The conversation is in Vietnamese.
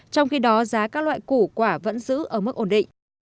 trong khi đó giá các loại củ quả vẫn giữ ở mức ổn định